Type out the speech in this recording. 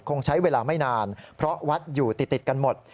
คงใช้เวลาไม่นานเพราะวัดอยู่ติดกันหมด